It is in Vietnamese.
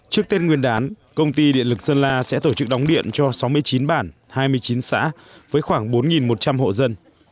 trước tên nguyên đán công ty điện lực sơn la sẽ tổ chức đóng điện cho sáu mươi chín bản hai mươi chín xã với khoảng bốn một trăm linh hộ dân